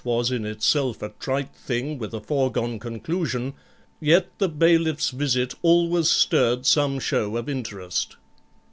was in itself a trite thing with a foregone conclusion, yet the bailiff's visit always stirred some show of interest.